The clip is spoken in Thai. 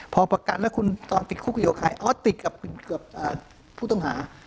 พอประกันแล้วคุณตอนติดคุกอยู่กับใครออสติดกับผู้ต้องหา